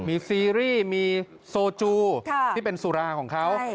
มีซีรีส์มีโซจูที่เป็นสุราของเขา